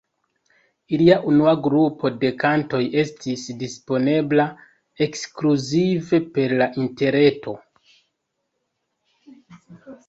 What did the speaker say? Ilia unua grupo de kantoj estis disponebla ekskluzive per la interreto.